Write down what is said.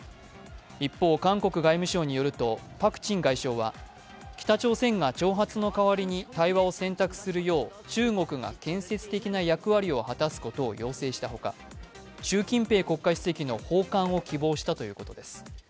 一方、韓国外務省によるとパク・チン外相は北朝鮮が挑発の代わりに対話を選択するよう中国が建設的な役割を果たすことを要請したほか、習近平国家主席の訪韓を希望したということです。